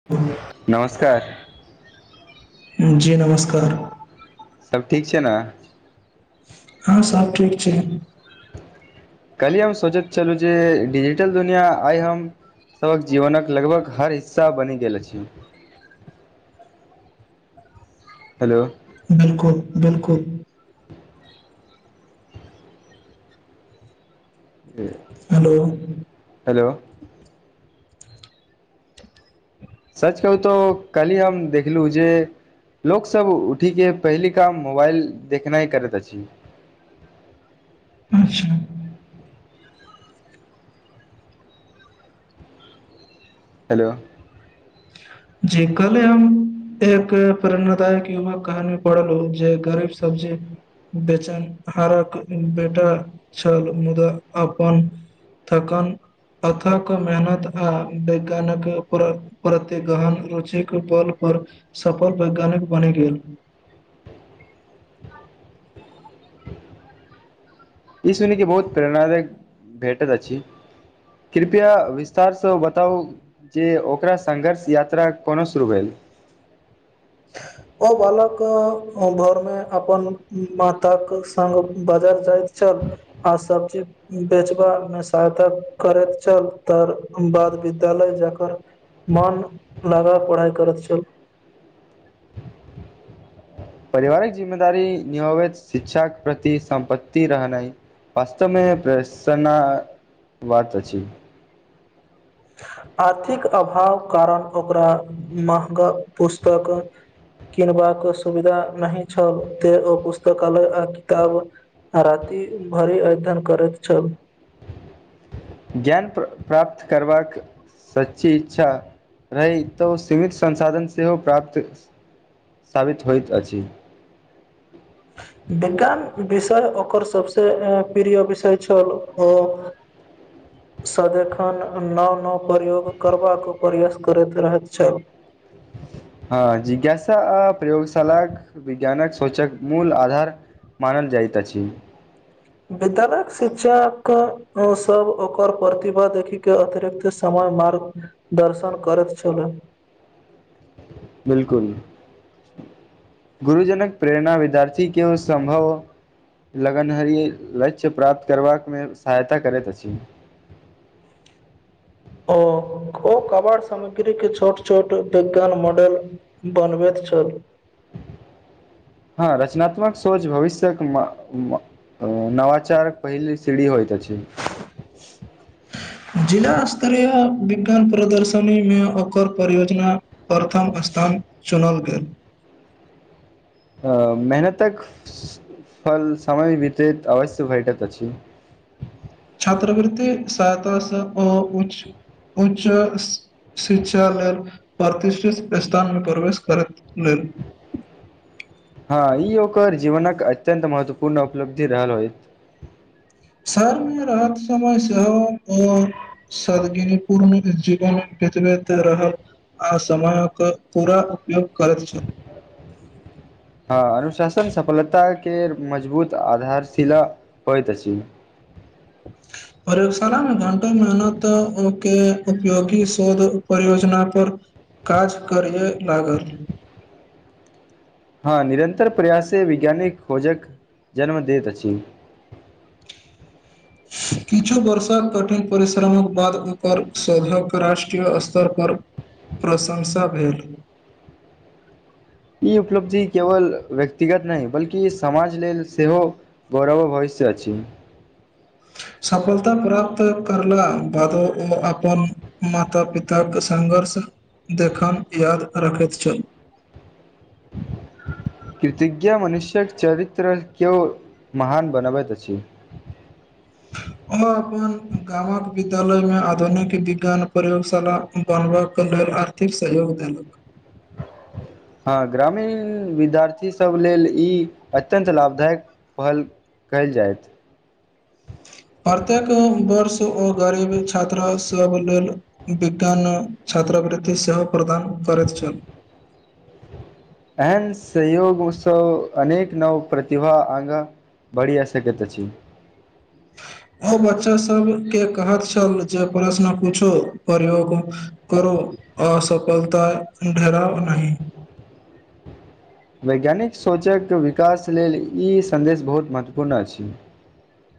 [inaudible] नमस्कार [inaudible] जी नमस्कार सब ठीक छै न [inaudible] हँ सब ठीक छै कल्हि हम सोचैत छलहुँ जे डिजिटल दुनिया आइ हम सभक जीवनक लगभग हर हिस्सा बनि गेल अछि हेलो [inaudible] बिल्कुल बिल्कुल [inaudible] हेलो हेलो सच कहू तो काल्हि हम देखलहु जे लोक सब उठीके पहिल काम मोबाइल देखनाइ करैत अछि अच्छा हेलो जे कल्हे हम एक प्रेरणादायक युवक कहानी पढ़लहु जे गरीब सब्जी बेचन हारक बेटा छल मुद्दा अपन थकन अथक मेहनत आऽ वैज्ञानक प्रत गहन रुचिक बल पर सफल वैज्ञानिक बनि गेल ई सुन के बहुत प्रेरणादायक भेटैत अछि कृपया विस्तार सँ बताउ जे ओकरा संघर्ष यात्रा कोना शुरू भेल [inaudible] ओ बालक घर मे अपन माताक के संग बाजर जाइत छल आ सब्जी बेचबामे सहायता करैत छल तर बाद विद्यालय जाकर मन लगा पढ़ाइ करैत छल पारिवारिक जिम्मेदारी नियबैत शिक्षाक प्रति सम्प्तति रहनाइ वास्तमे प्रसनाताखकबात आर्थिक अभावक कारण ओकरा महगा पुस्तक किनबाक सुविधा नहिी छल ते ओ पुस्तकालय आ किताब राति भरि अध्ययन करैत छल ज्ञान प्राप्त करबाक सच्ची इच्छा रहै तऽ सीमित संसाधन सेहो प्राप्त साबित होइत अछि विज्ञान विषय ओकर सबस प्रिय विषय छल ओ ह [unintelligible] सदिखन नव नव प्रयोग करबाक प्रयास करैत रहैत छल हँ जिज्ञासा आ प्रयोगशालाक विज्ञानक सोचक मूल आधार मानल जाइतअछि विद्यालय शिक्षक सब ओकर प्रतिभा देखि के अतिरिक्त समय मार्ग दर्शन करैत छले बिलकुल गुरुजनक प्रेरणा विद्यार्थी केओ सं्भव लगनहरी लक्ष्य प्राप्त करबामे सहायता करैत अछि ओ ओ कबाड़ सामग्री के छोट छोट विज्ञान मॉडल बनबे तऽ छल हँ रचनात्मक सोच भविष्यक अ नवचार पहिले सीरीी होइ त छै जिला स्तरीय विज्ञान प्रदर्शनी मे ओकर परियोजना प्रथम स्थान चुनल गेल अ मेहनतक फल सामय भितरक अवश्य भेटत अछि छात्रवृतति सहायतासँ उच्च उच्च शिक्षा लेल प्रतिष्ठित स्थानमे प्रवेश करैक लेल हँ ई ओकर जीवनक अत्यंत महत्वपूर्ण उपलब्धि रहल होय शहरमे रहत समय सेहो सदगिरी पूर्ण जीवन वितबैत रहत आ समयक पूरा उपयोग करैत छैय हँ अनुशासन सफलताक के मजबूत आधारशिला होइत अछि प्रयोगशालामे घंटो मेहनतके उपयोगी शोध परियोजना पर काज करे लागल हँ निरन्तर प्रयासे वैज्ञानिक खोजक जन्म दैत अछि [unintelligible] [unintelligible] किछु वर्षक कठिन परिश्रमक बाद ओकर सोधक राष्ट्रीय स्तर पर प्रशंसा भेल ई उपलब्धि केवल व्यक्तिगत नहि बल्कि समाजक लेल सेहो गौरव भविष्य विवष्य अ छी सफलता प्राप्त करला बादो ओ अपन माता पिताक सङ्घर्ष देखय याद रखैत छै [unintelligible] कृतिज्ञा मनुष्य्यक चरित्र केओ महान बनबैत अछि ओना अपना गामक विद्यालयमे आधुनिक विज्ञान प्रयोगशाला बनबाक लेलऽ आर्थिक सहयोग देलक ह ग्रामीण विद्यार्थीसभ लेलऽ ई अत्यंत लाभदायक पहल केयल जायत प्रतेक वर्ष ओ गरीबी छात्रा सभ लेलऽ विज्ञान छात्रवृत्ति सेहो प्रदान करैत छेल एहन सयोगसँ अनेक नव प्रतिभा आगा बड़ी आ सकते अछि ओ बच्चा सभके कहैत छल जे प्रश्न पूछो प्रयोग करो असफलता ढेराउ नहि। वैज्ञानिक सोच कऽ विकास लेलऽ ई संन्देश बहुत महत्वपूर्ण अछि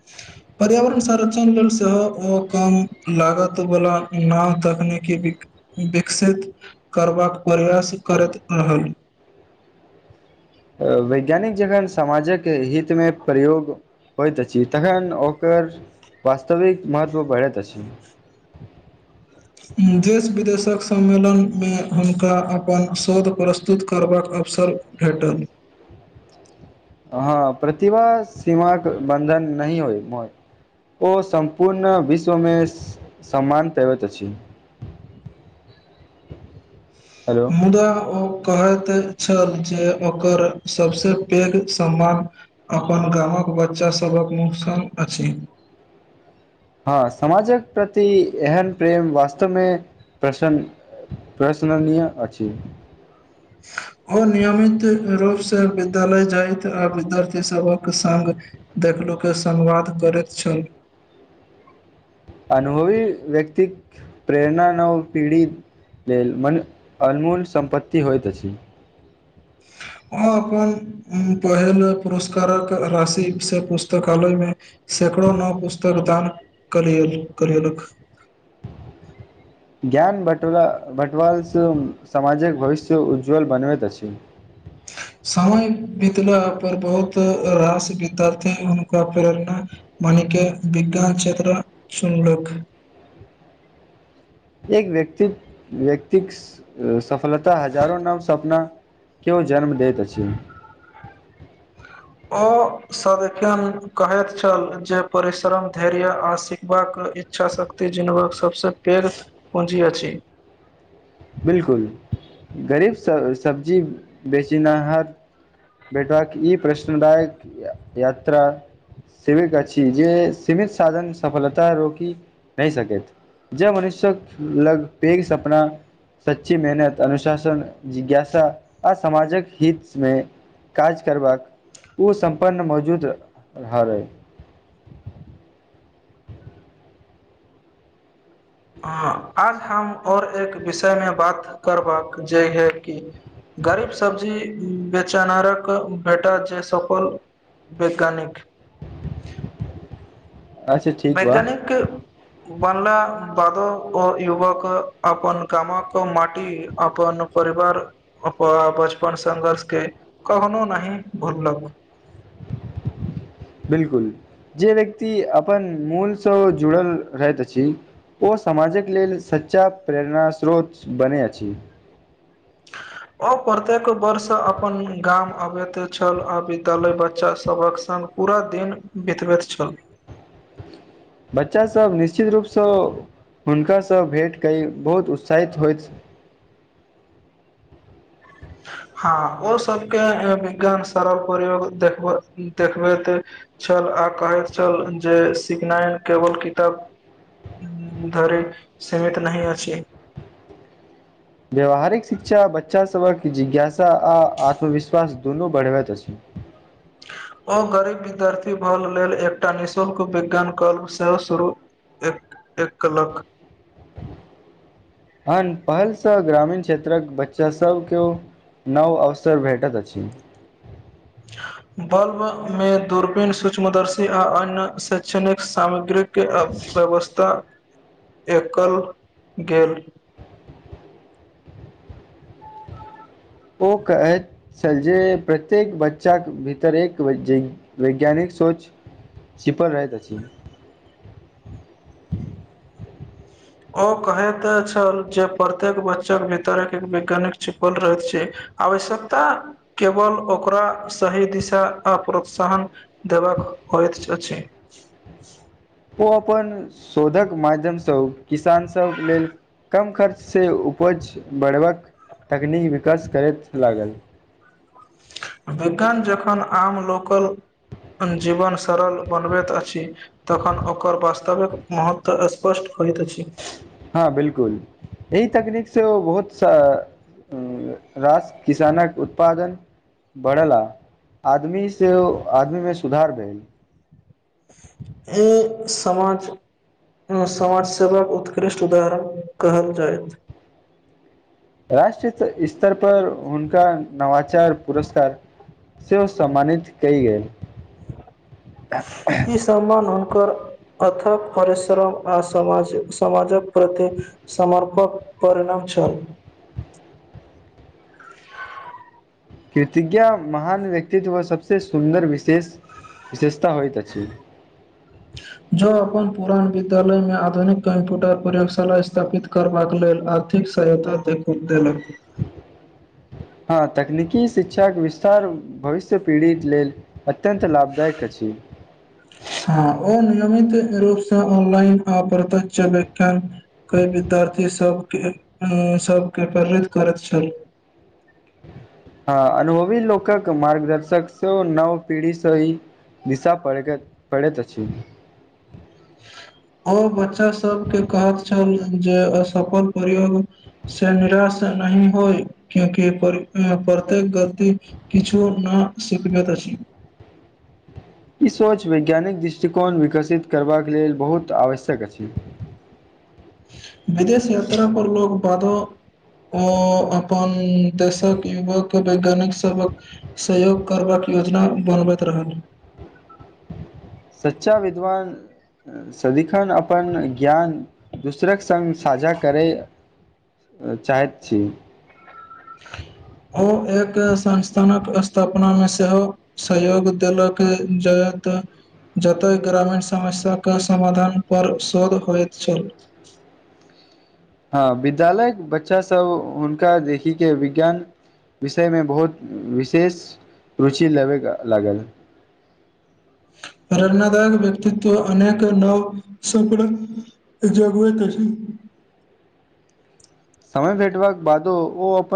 [inaudible] पर्यावरण संरक्षण लेलऽ सेहो ओ कम लागत वाला नै तकनी विकसित करबा कऽ प्रयास करैत रहल वैज्ञानिक जखन समाज कऽ हितमे प्रयोग होइत छी तखन ओकर वास्तविकऽ महत्व बढ़ैत अछि देश विदेशक सम्मेलन मे हुनका अपन शोध प्रस्तुत करबाकऽ अवसर भेटल। ह प्रतिभा सीमा के बन्धन नहि होय ओ सम्पूर्ण विश्वमे सम्मान पबैत अछि। हेलो। मुदा ओ कहैत छल जे ओकर सभसँ पैघ सम्मान अपन गाम कऽ बच्चा सभ कऽ नुकसान अछि ह समाजक प्रति एहन प्रेम वास्तवमे प्रसन्न प्रशनया अछि ओर नियमित रूप से विद्यालय जाइत आ विद्यार्थी सभके सग देखलो के संवाद करैत छल अनुभवी व्यक्तिकऽ प्रेरणा नव पीढ़ी लेल मन अनमोलऽ सम्पत्ति होइत अछि अहाँ अपन पहिल पुरस्कारक राशि से पुस्तकालय मे सैकड़ो नौ पुस्तक दान करे करेल कऽ ज्ञान बँटवालसँ समाजक भविष्य उज्ज्वल बनबैत छै समय बितला पर बहुत रास बितार्थे हनका प्रेरणा। मानिक विज्ञान क्षेत्र सुनलुकऽ एक व्यक्त व्यक्तिक सफलता हजारो नव सपना किओ जन्म दैत छै ओ सदी खन कहैत छल जे परिश्रम धैर्य आ सिखबा कऽ इच्छा शक्ति जनबक सभसँ पैघ पूँजी अछि बिल्कूल गरीब सँ सब्जी बेचना हर भेठकऽ ई प्रश्नदायक यात्रा सेविक अछि जे सीमित साधन सफलता रोकि नहि सकैत। जे मनुष्यक लग पेघ सपना सच्ची मेहनत अनुशासन जिज्ञासा आ समामाजिक हितमे काज करबाकऽ ओ सम्पन्न मौजूद रहलइ हँ आज हम ओर एक विषय मे बात करबाक जे हे कि गरीब सब्जी बेचनारक बेटा जे सपल वैज्ञानिक [inaudible] ठीक बा वैज्ञानिक के बनला बादो ओ युवक अपन गाम के माटी अपन परिवार बचपनक संघर्ष के कखनो नहि भुलब बिल्कुल जे व्यक्ति अपन मूलसँ जुड़ल रहैत अछि ओ समाजक लेल सच्चा प्रेरणास्रोत बनै अछि आ प्रत्येक वर्ष अपन गाम अबैत छल आ विद्यालय बच्चा सभक संग पूरा दिन बितबैत छल बच्चा सभ निश्चित रूप सँ हुनका सँ भेट क बहुत उत्साहित होइत हँ ओ सभके विज्ञान सरल परिवार को देखब देखबेत छल आ कहैत छल जे सिखनाइ केवल किताब धरि सीमित नहि अछि व्यावहारिक शिक्षा बच्चा सभक जिज्ञासा आ आत्मविश्वास दुनू बढ़बैत अछि ओ गरीब विद्यार्थी भल लेल एकटा निःशुल्क विज्ञान क्लब सेहो शुरू एक एक केलक एहन पहलसँ ग्रामीण क्षेत्रक बच्चा सब केओ नव अवसर भेटत अछि बल्ब में दूरबीन सूक्ष्मदर्शी आ अन्य शैक्षणिक सामग्रीक के आब व्यवस्था एकल गेल ओ कहेत जे प्रत्येक बच्चाकेँ भीतर एक वैज्ञानिक सोच छिपल रहैत अछि ओ कहेत छल जे प्रत्येक बच्चाकेँ भीतर एक वैज्ञानिक छिपल रहैत छी आवश्यकता केवल ओकरा सही दिशा आ प्रोत्साहन देबाक होयत अछि ओ अपन शोधक माध्यम स किसान सभ लेल कम खर्च से उपज बढ़बाक तकनीक विकास करैत लागल विज्ञान जखन आम लोकल जीवन सरल बनबैत अछि तखन ओकर वास्तविक महत्व स्पष्ट होइत अछि हँ बिलकुल अहि तकनीक से ओ बहुत स रास किसानक उत्पादन बढ़ेला आदमी सेहो आदमी मे सुधार भेल एहि समाज समाज सेवाक उत्कृष्ट उदाहरण कहल जायत राष्ट्रहित स्तर पर हुनका नवाचार पुरस्कार सेहो सम्मानित कय गेल [inaudible] इ सम्मान हुनकर अथक परिश्रम आ समाज समाजक प्रति समर्पक परिणाम छल कृतिज्ञा महान व्यक्तित्व सभसँ सुन्दर विशेष विशेषता होइत अछि जो अपन पुरान विद्यालय मे आधुनिक कंप्यूटर प्रयोगशाला स्थापित करबाक लेल आथि निक सहायत देलक ह तकनिकी शिक्षाक विस्तार भविष्य पीढ़ी लेल अत्यन्त लाभदायक अछि। ह ओ नियमित रूपसँ ऑनलाइन आ व्यख्यान के विद्यार्थी सभके सभके प्रेरित करैत छल हँ अनुभवी लोक मार्गदर्शक सेहो नव पीढ़ी सहि दिशा पड़ै पड़ैत अछि। ओ बच्चा सभके कहत छेल जे असफल प्रयोग से निराश नहि होइ कियाकि प्रत्येक गलती किछु नै सखियत छी ई सोच वैज्ञानिक दृष्टिकोण विकसित करबाक लेलऽ बहुत आवश्यक अछि विदेश यात्रा पर लोग बादो। ओ अपन देशकऽ युवकऽ वैज्ञानिक सभकऽ सहयोग करबाकऽ योजना बनबैत रहल सच्चा विद्वान। सदिखन अपन ज्ञान दोसरकऽ संग साझा करय चाहैत छीय ओ एक संस्थानकऽ स्थापनामे सेहो सहयोग देलक जाय त जतय ग्रामीण समस्या के समाधान पर शोध होइत छेल ह विद्यालय बच्चा सभ हुनका देखिक के विज्ञान विषय मे बहुत विशेष रुचि लेबयके लागल प्रेरनादायक व्यक्तित्व अनेक नव सप जगबै तऽ छीय समय भेटबाक बादो ओ अपन